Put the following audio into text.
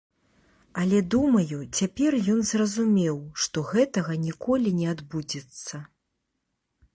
Але думаю, цяпер ён зразумеў, што гэтага ніколі не адбудзецца.